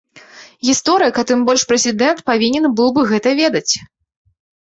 Гісторык, а тым больш прэзідэнт павінен быў бы гэта ведаць.